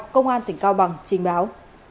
công an tỉnh cao bằng trình báo